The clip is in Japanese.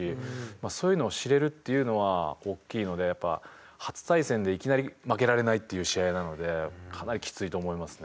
そういうのを知れるっていうのは大きいので初対戦でいきなり負けられないっていう試合なのでかなりきついと思いますね。